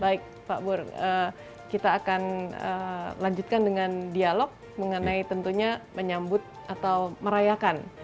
baik pak bur kita akan lanjutkan dengan dialog mengenai tentunya menyambut atau merayakan